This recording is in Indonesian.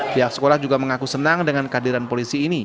pihak sekolah juga mengaku senang dengan kehadiran polisi ini